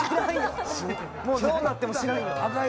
もうどうなっても知らんよ？